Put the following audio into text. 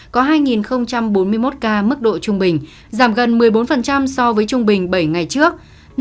có hai bốn mươi một ca mức độ trung bình giảm gần một mươi bốn so với trung bình bảy ngày trước